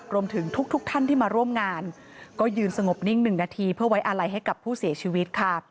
รวมถึงทุกท่านที่มาร่วมงานก็ยืนสงบนิ่ง๑นาทีเพื่อไว้อาลัยให้กับผู้เสียชีวิตค่ะ